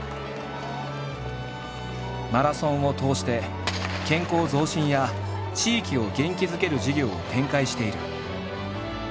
マラソンを通して健康増進や地域を元気づける事業を展開している。